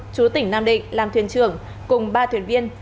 chú tỉnh nam định làm thuyền trưởng cùng ba thuyền viên